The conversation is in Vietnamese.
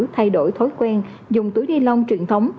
thay đổi thói quen dùng túi ni lông truyền thống